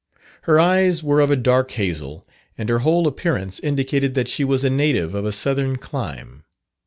Her eyes were of a dark hazel, and her whole appearance indicated that she was a native of a southern clime.